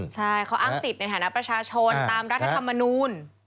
ใช่เขาอ้างสิทธิ์ในฐานะประชาชนตามรัฐธรรมนูล